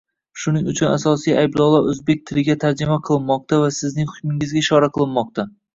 Shuning uchun asosiy ayblovlar o'zbek tiliga tarjima qilinmoqda va sizning hukmingizga ishora qilinmoqda: